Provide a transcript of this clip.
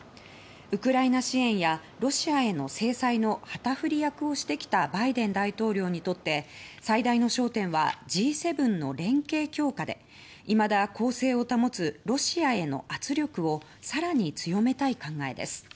ウクライナ支援やロシアへの制裁の旗振り役をしてきたバイデン大統領にとって最大の焦点はＧ７の連携強化でいまだ攻勢を保つロシアへの圧力を更に強めたい考えです。